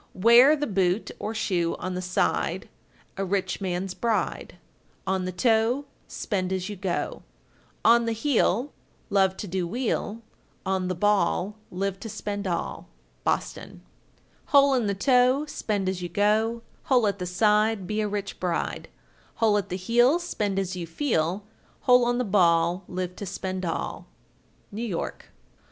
_ 1397. Wear the boot (or shoe) on the side, a rich man's bride; On the toe, spend as you go; On the heel, love to do weel; On the ball, live to spend all. Boston. 1398. Hole in the toe, spend as you go: Hole at the side, be a rich bride; Hole at the heel, spend as you feel; Hole on the ball, live to spend all. _New York.